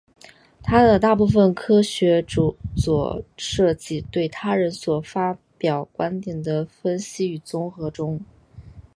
他的大部分科学着作涉及对他人所发表观点的分析与综合中。